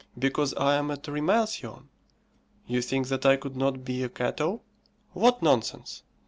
Because I am a Trimalcion, you think that I could not be a Cato! What nonsense!